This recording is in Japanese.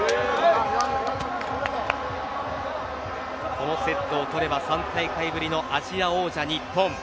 このセットを取れば３大会ぶりのアジア王者、日本。